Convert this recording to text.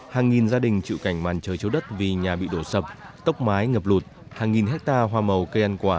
hàng nghìn gia đình chịu cảnh màn trời chiếu đất vì nhà bị đổ sập tốc mái ngập lụt hàng nghìn hectare hoa màu cây ăn quả